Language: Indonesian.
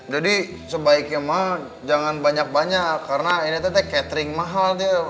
jadi sebaiknya mah jangan banyak banyak karena ini tuh teh catering mahal tuh